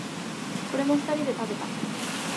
これも二人で食べた。